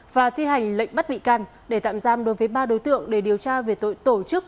và thi hành lệnh bắt bị can để tạm giam đối với ba đối tượng để điều tra về tội tổ chức